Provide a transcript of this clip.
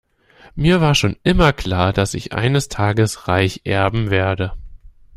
Mir war schon immer klar, dass ich eines Tages reich erben werde.